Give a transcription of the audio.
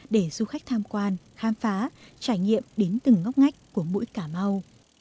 để du khách tham quan khám phá trải nghiệm đến từng ngóc ngách của mũi cà mau